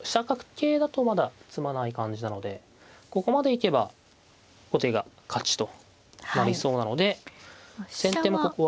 桂だとまだ詰まない感じなのでここまで行けば後手が勝ちとなりそうなので先手もここは。